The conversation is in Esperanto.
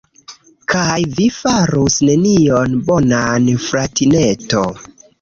Kaj vi farus nenion bonan, fratineto.